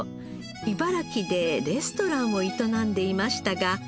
茨城でレストランを営んでいましたが